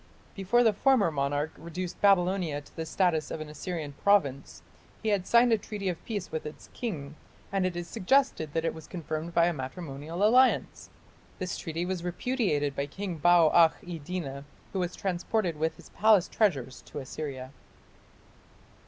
Before the former monarch reduced Babylonia to the status of an Assyrian province, he had signed a treaty of peace with its king, and it is suggested that it was confirmed by a matrimonial alliance. This treaty was repudiated by King Bau akh iddina, who was transported with his palace treasures to Assyria.